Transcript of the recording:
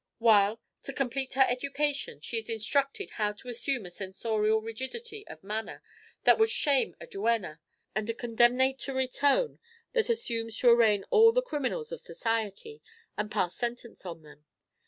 While, to complete her education, she is instructed how to assume a censorial rigidity of manner that would shame a duenna, and a condemnatory tone that assumes to arraign all the criminals of society, and pass sentence on them.